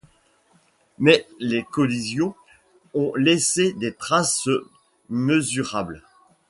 Mais les collisions ont laissé des traces mesurables.